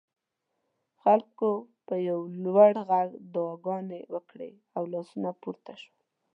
خلکو په یو لوړ غږ دعاګانې وکړې او لاسونه پورته شول.